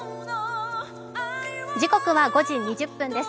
時刻は５時２０分です。